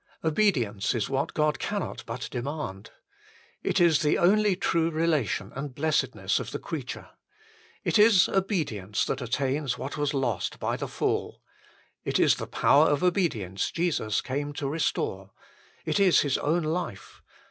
Obedience is what God cannot but demand. It is the only true relation and blessedness of the creature. It is obedience that attains what was lost by the Fall. It is the power of obedience Jesus came to restore. It is His own life.